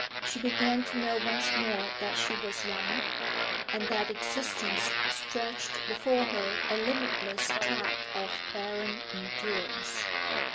She began to know once more that she was young, and that existence stretched before her a limitless tract of barren endurance.